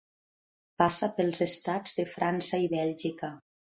Passa pels estats de França i Bèlgica.